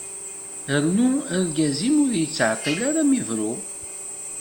Rnu argaz-im ur yettɛeṭil ara ad m-ibru.